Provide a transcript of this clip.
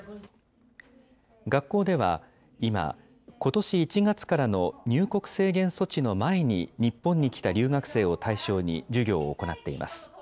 学校では今、ことし１月からの入国制限措置の前に日本に来た留学生を対象に授業を行っています。